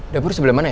dapur sebelah mana ya